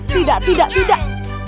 tidak tidak tidak